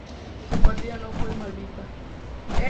Su partida no fue mal vista.